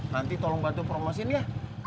nanti tolong bantu promosiin ya